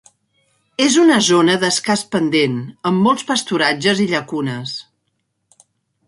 És una zona d'escàs pendent, amb molts pasturatges i llacunes.